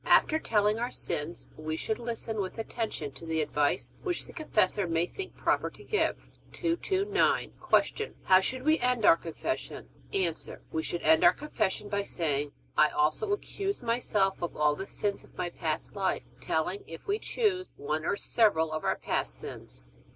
After telling our sins we should listen with attention to the advice which the confessor may think proper to give. 229. Q. How should we end our Confession? A. We should end our Confession by saying, I also accuse myself of all the sins of my past life, telling, if we choose, one or several of our past sins.